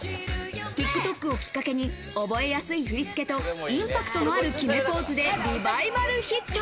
ＴｉｋＴｏｋをきっかけに覚えやすい振り付けとインパクトのある決めポーズでリバイバルヒット。